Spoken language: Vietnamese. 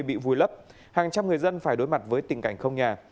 bị vùi lấp hàng trăm người dân phải đối mặt với tình cảnh không nhà